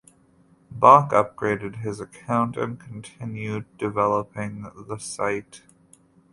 Bach upgraded his account and continued developing the site.